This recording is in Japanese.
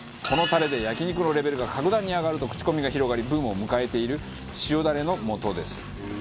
このタレで焼肉のレベルが格段に上がると口コミが広がりブームを迎えている塩だれのもとです。